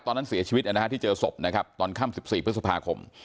ตอนนั้นเสียชีวิตที่เจอศพตอนข้าม๑๔พฤษภาคม